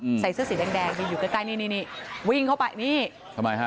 ใส่เสื้อสีแดงแดงยืนอยู่ใกล้ใกล้นี่นี่วิ่งเข้าไปนี่ทำไมฮะ